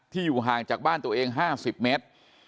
อยู่ห่างจากบ้านตัวเอง๕๐เมตร